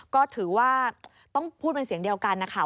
ก็ถือว่าต้องพูดเป็นเสียงเดียวกันนะคะ